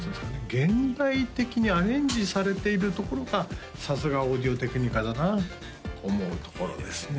現代的にアレンジされているところがさすがオーディオテクニカだなと思うところですね